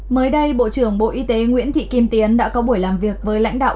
mới đây bộ trưởng bộ y tế nguyễn thị kim tiến đã có buổi làm việc với lãnh đạo